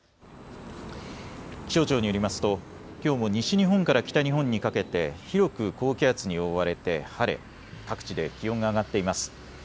気象庁によりますときょうも西日本から北日本にかけて広く高気圧に覆われて晴れ各地で気温が上がっています。